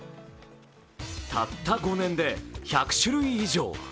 たった５年で１００種類以上。